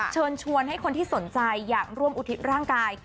เชิญชวนให้คนที่สนใจอยากร่วมอุทิศร่างกาย